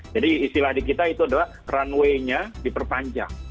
istilah di kita itu adalah runway nya diperpanjang